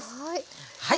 はい。